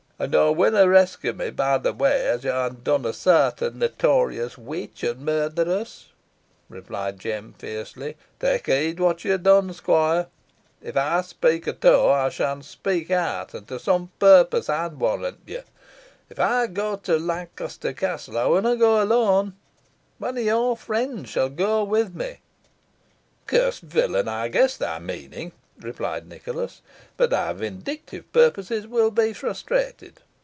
"An yo winna rescue me by the way, os yo ha dun a sartin notorious witch an murtheress!" replied Jem, fiercely. "Tak heed whot yo dun, squoire. If ey speak at aw, ey shan speak out, and to some purpose, ey'n warrant ye. If ey ge to Lonkester Castle, ey winna ge alone. Wan o' yer friends shan ge wi' me." "Cursed villain! I guess thy meaning," replied Nicholas; "but thy vindictive purposes will be frustrated.